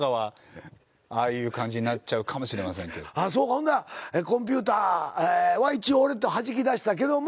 ほんならコンピューターは一応俺とはじき出したけども。